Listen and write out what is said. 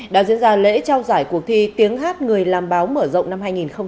đã diễn ra lễ trao giải cuộc thi tiếng hát người làm báo mở rộng năm hai nghìn một mươi chín